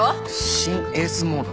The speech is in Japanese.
シン・エースモード？